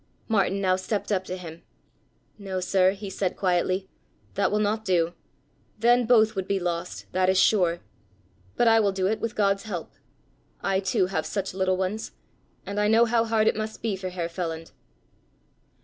Martin now stepped up to him. "No, sir," he said quietly, "that will not do. Then both would be lost, that is sure. But I will do it, with God's help. I, too, have such little ones, and I know how hard it must be for Herr Feland."